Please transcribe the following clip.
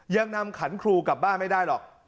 ยังนำขันครูกลับบ้านไม่ได้หรอก